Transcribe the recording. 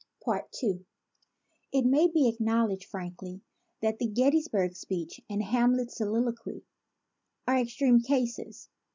II IT may be acknowledged frankly that the Gettysburg speech and Hamlet's soliloquy are extreme cases.